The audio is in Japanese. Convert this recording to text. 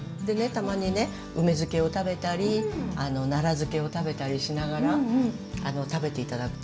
たまに梅漬けを食べたり奈良漬を食べたりしながら食べて頂くとね